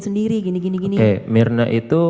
sendiri gini gini oke myrna itu